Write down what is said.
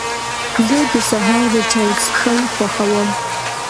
زه د سهار د چای څښل خوښوم.